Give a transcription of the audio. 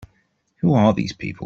Who are these people?